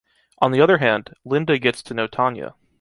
On the other hand, Linda gets to know Tanya.